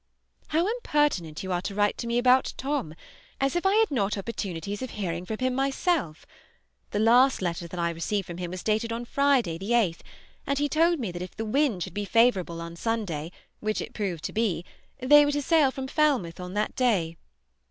How impertinent you are to write to me about Tom, as if I had not opportunities of hearing from him myself! The last letter that I received from him was dated on Friday, 8th, and he told me that if the wind should be favorable on Sunday, which it proved to be, they were to sail from Falmouth on that day.